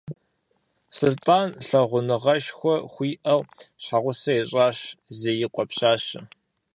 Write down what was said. Сулътӏан лъагъуныгъэшхуэ хуиӏэу щхьэгъусэ ищӏащ Зеикъуэ пщащэ.